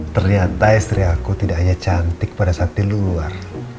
ternyata istri aku tidak hanya cantik pada saat di luar